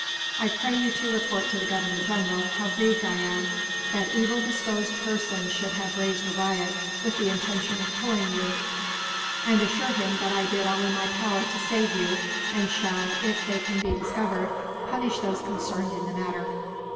"I pray you to report to the Governor General how grieved I am that evil disposed persons should have raised a riot, with the intention of killing you; and assure him that I did all in my power to save you, and shall, if they can be discovered, punish those concerned in the matter."